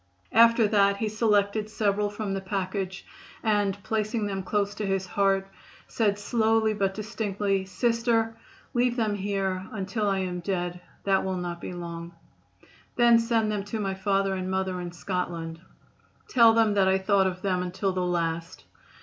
After that he selected several from the package and placing them close to his heart said slowly, but distinctly: "Sister, leave them here until I am dead. That will not be long. Then send them to my father and mother in Scotland. Tell them that I thought of them until the last.